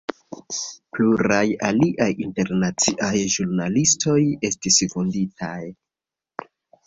Pluraj aliaj internaciaj ĵurnalistoj estis vunditaj.